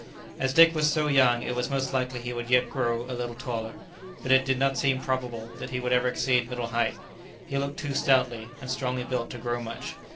As Dick was so young it was most likely he would yet grow a little taller, but it did not seem probable that he would ever exceed middle height, he looked too stoutly and strongly built to grow much.